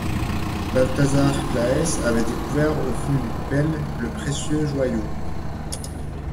Balthazar Claës avait découvert au fond d'une coupelle, le précieux joyau.